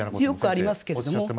よくありますけれども。